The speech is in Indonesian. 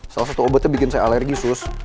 salah satu obatnya bikin saya alergi sus